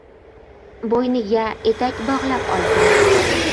Bo‘yniga etak bog‘lab olgan.